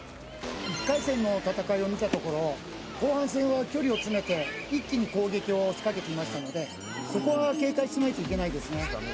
１回戦の戦いを見たところ後半戦は距離を詰めて一気に攻撃を仕掛けていましたのでそこは警戒しないといけないですね